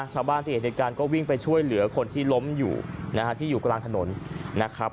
ชาวบ้านที่เห็นเหตุการณ์ก็วิ่งไปช่วยเหลือคนที่ล้มอยู่นะฮะที่อยู่กลางถนนนะครับ